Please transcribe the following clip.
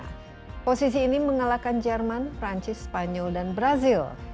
nah posisi ini mengalahkan jerman perancis spanyol dan brazil